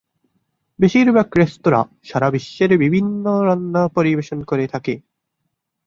বেশিরভাগ রেস্তোরা সারা বিশ্বের বিভিন্ন রান্না পরিবেশন করে থাকে।